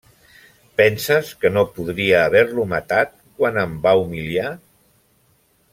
Penses que no podria haver-lo matat quan em va humiliar?